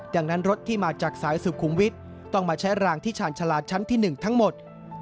ดังนั้นรถที่มาจากสายสุขุมวิทย์ต้องมาใช้รางที่ชาญชาลาชั้นที่๑ทั้งหมด